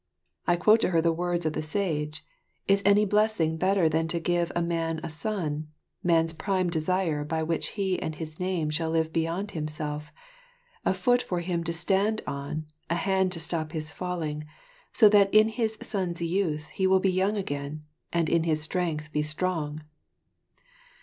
I quote to her the words of the Sage: "Is any blessing better than to give a man a son, man's prime desire by which he and his name shall live beyond himself; a foot for him to stand on, a hand to stop his falling, so that in his son's youth he will be young again, and in his strength be strong."